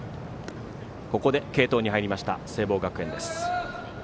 ここで継投に入りました聖望学園です。